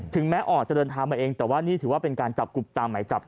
แม้อ่อจะเดินทางมาเองแต่ว่านี่ถือว่าเป็นการจับกลุ่มตามหมายจับ